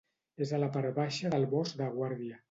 És a la part baixa del Bosc de Guàrdia.